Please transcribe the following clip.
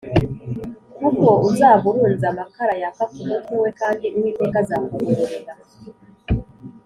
kuko uzaba urunze amakara yaka ku mutwe we, kandi uwiteka azakugororera